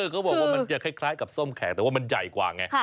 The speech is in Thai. เขาบอกว่ามันจะคล้ายกับส้มแข็งแต่ว่ามันใหญ่กว่าไง